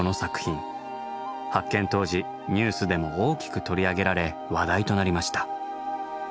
発見当時ニュースでも大きく取り上げられ話題となりました。